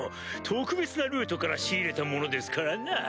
特別なルートから仕入れたものですからな！